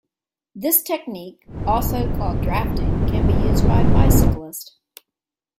This technique, also called Drafting can be used by bicyclists.